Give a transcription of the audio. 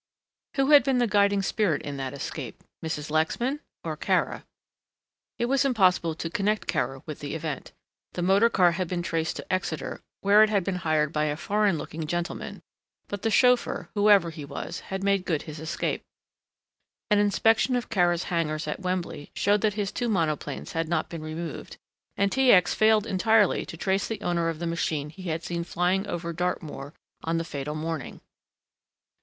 Who had been the guiding spirit in that escape Mrs. Lexman, or Kara? It was impossible to connect Kara with the event. The motor car had been traced to Exeter, where it had been hired by a "foreign looking gentleman," but the chauffeur, whoever he was, had made good his escape. An inspection of Kara's hangars at Wembley showed that his two monoplanes had not been removed, and T. X. failed entirely to trace the owner of the machine he had seen flying over Dartmoor on the fatal morning.